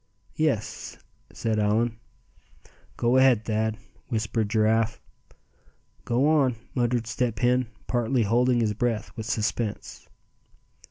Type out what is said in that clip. "Yes," said Allan. "Go ahead, Thad!" whispered Giraffe. "Go on!" muttered Step Hen, partly holding his breath with suspense.